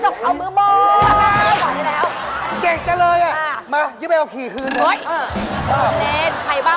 เจ๊ถามหน่อยด้วยขยันขับรถเหลือเกิน